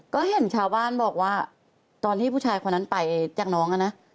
ก็เห็นชาวบ้านบอกว่าตอนที่ผู้ชายคนนั้นไปจากน้องนะ